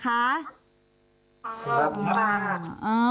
ขอบคุณครับ